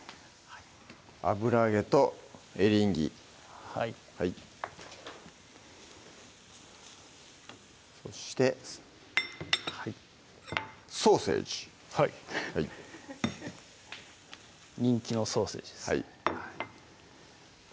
油揚げとエリンギはいそしてソーセージはい人気のソーセージです